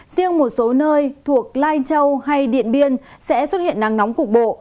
riêng một số nơi thuộc lai châu hay điện biên sẽ xuất hiện nắng nóng cục bộ